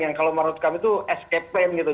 yang kalau menurut kami itu escape plan gitu